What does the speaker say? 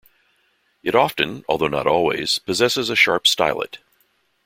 It often, although not always, possesses a sharp stylet.